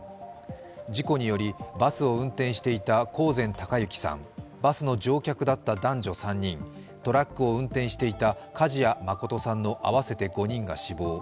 事故により、バスを運転していた興膳孝幸さん、バスの乗客だった男女３人、トラックを運転していた梶谷誠さんの合わせて５人が死亡。